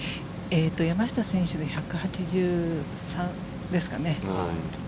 山下選手が１８３ですかね。